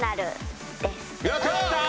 やった！